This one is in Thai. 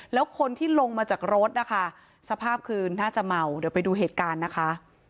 แล้วคนที่ลงมาจากรถนะคะสภาพคือน่าจะเมาเดี๋ยวไปดูเหตุการณ์นะคะ